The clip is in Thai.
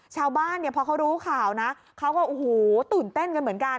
ชาวบ้านเนี่ยพอเขารู้ข่าวนะเขาก็โอ้โหตื่นเต้นกันเหมือนกัน